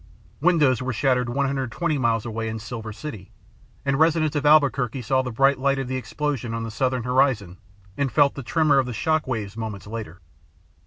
Windows were shattered 120 miles away in Silver City, and residents of Albuquerque saw the bright light of the explosion on the southern horizon and felt the tremor of the shock waves moments later.